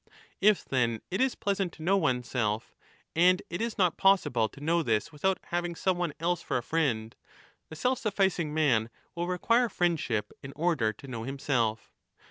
If, then, it is pleasant to know oneself, and it is not possible to know this without having some one 25 else for a friend, the self sufficing man will require friend ship in order to know himself.